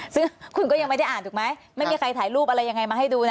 ซึ่งคุณก็ยังไม่ได้อ่านถูกไหมไม่มีใครถ่ายรูปอะไรยังไงมาให้ดูนะ